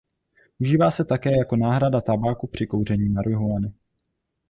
Užívá se také jako náhrada tabáku při kouření marihuany.